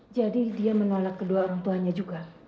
jadi dia menolak kedua orang tuanya juga